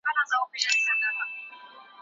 د امبولانس سرعت ولې زیات شو؟